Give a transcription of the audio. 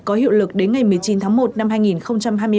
có hiệu lực đến ngày một mươi chín tháng một năm hai nghìn hai mươi ba